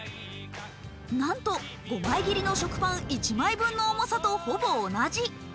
なんと５枚切りの食パン１枚分の重さとほぼ同じ。